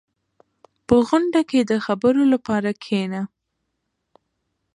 • په غونډه کې د خبرو لپاره کښېنه.